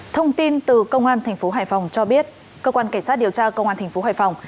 thông tin từ công an tp hải phòng cho biết cơ quan cảnh sát điều tra công an tp hải phòng